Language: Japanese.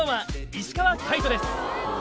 石川界人です。